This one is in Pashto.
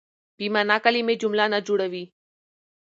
بې مانا کیلمې جمله نه جوړوي.